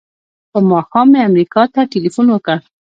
په ماښام مې امریکا ته ټیلفون وکړ.